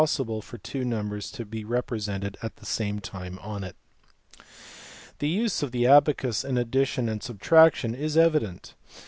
126 is made so that two numbers can be ex pressed at the same time on it. The use of the abacus in addition and subtraction is evident.